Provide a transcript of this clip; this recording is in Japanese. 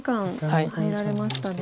入られましたね。